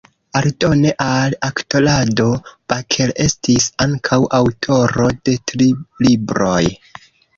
Aldone al aktorado, Baker estis ankaŭ aŭtoro de tri libroj.